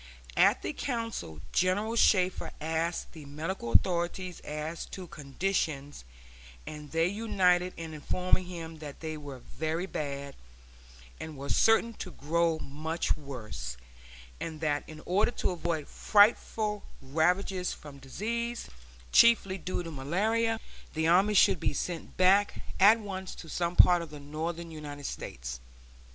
At the council General Shafter asked the medical authorities as to conditions, and they united in informing him that they were very bad, and were certain to grow much worse; and that in order to avoid frightful ravages from disease, chiefly due to malaria, the army should be sent back at once to some part of the northern United States.